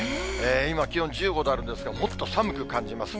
今、気温１５度あるんですが、もっと寒く感じます。